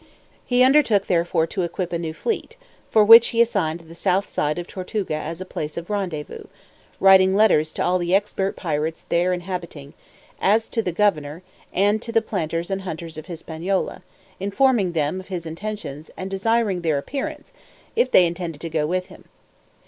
He undertook therefore to equip a new fleet, for which he assigned the south side of Tortuga as a place of rendezvous, writing letters to all the expert pirates there inhabiting, as also to the governor, and to the planters and hunters of Hispaniola, informing them of his intentions, and desiring their appearance, if they intended to go with him.